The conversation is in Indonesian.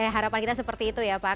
harapan kita seperti itu ya pak